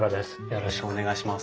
よろしくお願いします。